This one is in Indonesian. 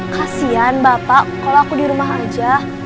kasian bapak kalau aku di rumah aja